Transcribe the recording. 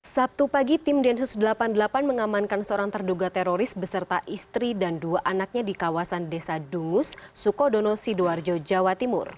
sabtu pagi tim densus delapan puluh delapan mengamankan seorang terduga teroris beserta istri dan dua anaknya di kawasan desa dungus sukodono sidoarjo jawa timur